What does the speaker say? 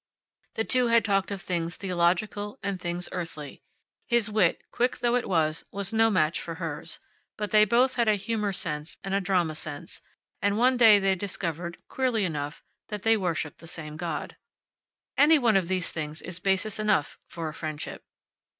The two had talked of things theological and things earthy. His wit, quick though it was, was no match for hers, but they both had a humor sense and a drama sense, and one day they discovered, queerly enough, that they worshiped the same God. Any one of these things is basis enough for a friendship.